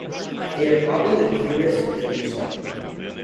They are probably the purest Baduy stock.